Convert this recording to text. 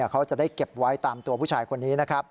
เขาจะได้เก็บไว้ตามตัวผู้ชายคนนี้นะครับ